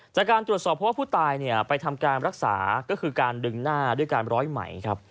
จากการตรวจสอบเพราะว่าผู้ตายไปทำการรักษาก็คือการดึงหน้าด้วยการร้อยไหมครับ